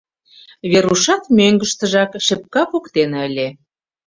Верушат мӧҥгыштыжак шепка воктене ыле.